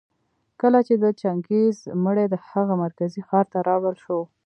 کله چي د چنګېز مړى د هغه مرکزي ښار ته راوړل شو